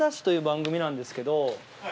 ＤＡＳＨ‼』という番組なんですけど。